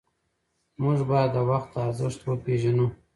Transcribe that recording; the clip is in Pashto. موږ باید د وخت ارزښت وپېژنو.